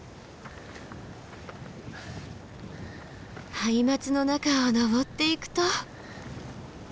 ハイマツの中を登っていくと。